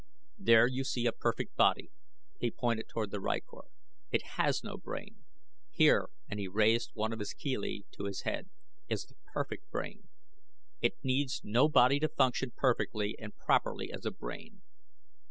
There you see a perfect body." He pointed toward the rykor. "It has no brain. Here," and he raised one of his chelae to his head, "is the perfect brain. It needs no body to function perfectly and properly as a brain.